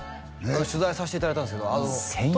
取材さしていただいたんですけど戦友？